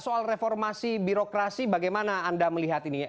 soal reformasi birokrasi bagaimana anda melihat ini